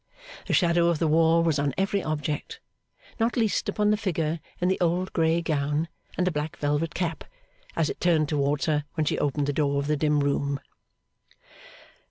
The shadow of the wall was on every object. Not least upon the figure in the old grey gown and the black velvet cap, as it turned towards her when she opened the door of the dim room.